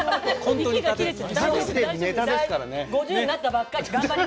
５０になったばっかり。